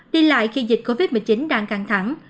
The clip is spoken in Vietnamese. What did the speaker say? đi lại khi dịch covid một mươi chín đang căng thẳng